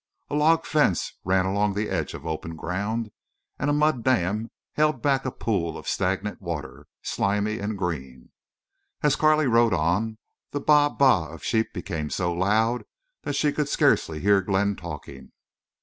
A log fence ran along the edge of open ground and a mud dam held back a pool of stagnant water, slimy and green. As Carley rode on the baa baa of sheep became so loud that she could scarcely hear Glenn talking.